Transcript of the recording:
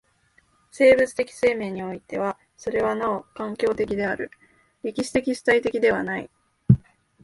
生物的生命においてはそれはなお環境的である、歴史的主体的ではない。